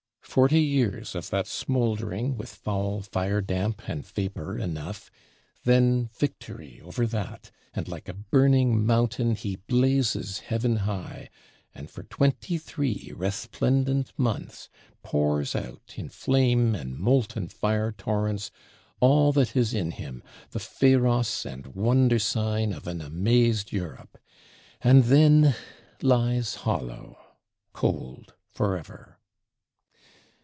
Forty years of that smoldering, with foul fire damp and vapor enough; then victory over that, and like a burning mountain he blazes heaven high; and for twenty three resplendent months, pours out, in flame and molten fire torrents, all that is in him, the Pharos and Wonder sign of an amazed Europe; and then lies hollow, cold forever!